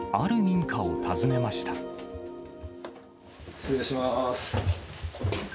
失礼いたします。